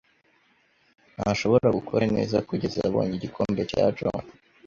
Ntashobora gukora neza kugeza abonye igikombe cya joe.